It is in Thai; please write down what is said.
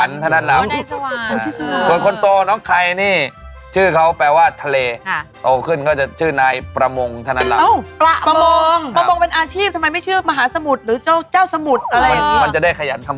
ก็จะชื่อว่าเสียงที่มาจากสวรรค์ไหม